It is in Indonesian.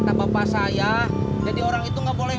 tapi predik relay